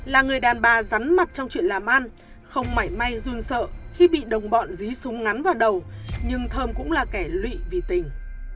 là người đàn bà rắn mặt trong chuyện làm ăn không mảy may run sợ khi bị đồng bọn dí súng ngắn vào đầu nhưng thơm cũng là kẻ lụy vì tình